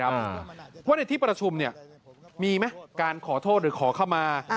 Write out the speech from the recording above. เพราะว่าในที่ประชุมเนี่ยมีไหมการขอโทษหรือขอเข้ามา